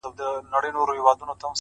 اوس له نړۍ څخه خپه يمه زه!!